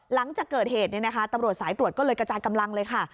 หลังจากเกิดเหตุตำรวจสายตรวจก็เลยกระจายกำลังเลยค่ะ